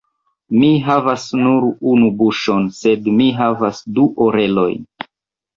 Mi havas nur unu buŝon, sed mi havas du orelojn.